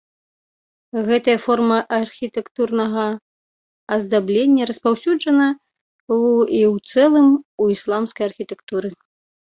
Гэтая форма архітэктурнага аздаблення распаўсюджана ў і ў цэлым у ісламскай архітэктуры.